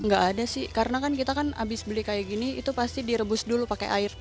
gak ada sih karena kan kita kan abis beli kayak gini itu pasti direbus dulu pakai air